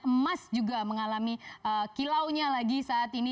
emas juga mengalami kilaunya lagi saat ini